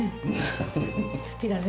好きだね。